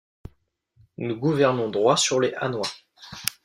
Nous gouvernons droit sur les Hanois.